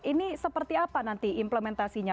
ini seperti apa nanti implementasinya